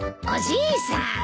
おじいさん。